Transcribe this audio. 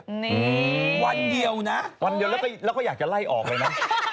นี่วันเดียวนะวันเดียวแล้วก็อยากจะไล่ออกเลยนะ